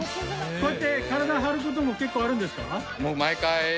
こうやって体張る事も結構あるんですか？